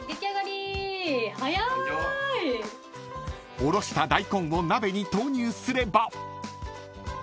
［おろした大根を鍋に投入すれば］